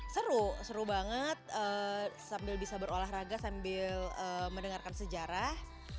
seru seru banget sambil bisa berolahraga sambil mendengarkan sejarah